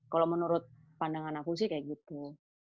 kalau menurut pandangan aku sih kayak gitu